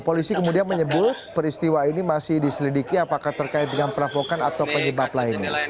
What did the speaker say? polisi kemudian menyebut peristiwa ini masih diselidiki apakah terkait dengan perampokan atau penyebab lainnya